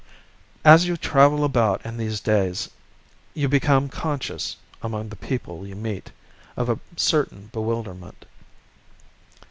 As you travel about in these days you become conscious, among the people you meet, of a certain bewilderment.